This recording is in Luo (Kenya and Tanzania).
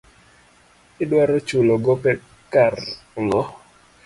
Idwaro chulo gope kar ang'o.